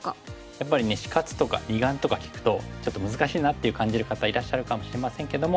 やっぱりね死活とか二眼とか聞くとちょっと難しいなって感じる方いらっしゃるかもしれませんけども。